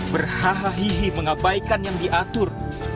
berhahahihi mengabaikan yang diatur